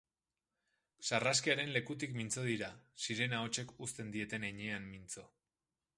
Sarraskiaren lekutik mintzo dira, sirena hotsek uzten dieten heinean mintzo.